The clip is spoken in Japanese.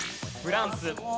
フランス。